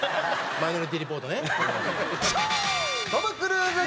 『マイノリティ・リポート』ね。